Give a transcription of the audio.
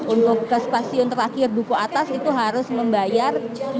untuk ke stasiun terakhir duku atas itu harus membayar